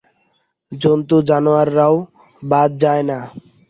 জন্তুজানোয়াররাও বাদ যায় না।